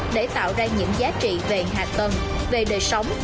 để tạo ra những giá trị về hạ tầng về đời sống